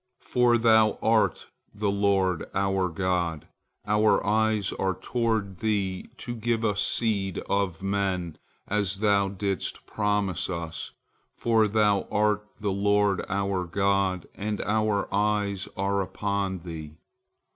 For Thou art the Lord our God, our eyes are toward Thee, to give us seed of men as Thou didst promise us, for Thou art the Lord our God, and our eyes are upon Thee."